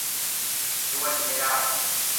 ดูวันหยุดไม่ได้